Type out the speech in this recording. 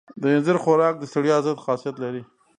د اینځر خوراک د ستړیا ضد خاصیت لري.